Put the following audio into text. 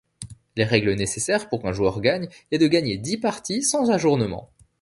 Les règles nécessaires pour qu'un joueur gagne est de gagner dix parties, sans ajournements.